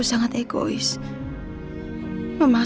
sampai ke intern pauk